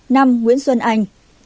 năm nguyễn xuân anh